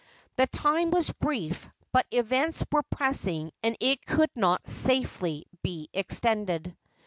The time was brief, but events were pressing, and it could not safely be extended.